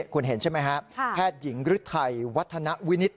คุณเห็นใช่ไหมครับแพทย์หญิงฤทัยวัฒนวินิต